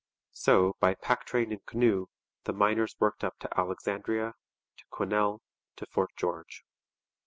So, by pack train and canoe, the miners worked up to Alexandria, to Quesnel, to Fort George.